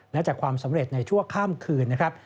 และจากความสำเร็จในชั่วข้ามคืนนะครับ